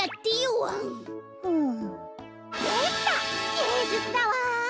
げいじゅつだわ！